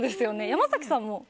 山崎さんも。